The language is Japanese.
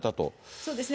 そうですね、